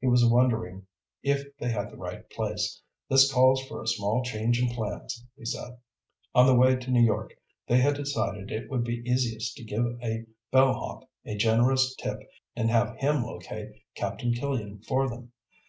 He was wondering if they had the right place. "This calls for a small change in plans," he said. On the way to New York they had decided it would be easiest to give a bellhop a generous tip and have him locate Captain Killian for them.